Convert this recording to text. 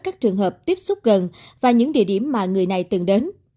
các trường hợp tiếp xúc gần và những địa điểm mà người này từng đến